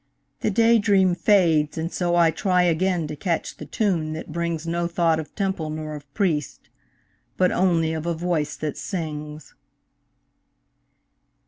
The day dream fades and so I try Again to catch the tune that brings No thought of temple nor of priest, But only of a voice that sings.